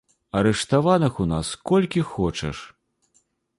Арыштаваных у нас колькі хочаш!